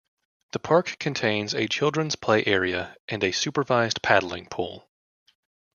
The park contains a children's play area and a supervised paddling pool.